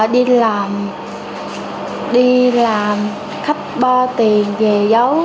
đi làm đi làm khắp ba tiền về giấu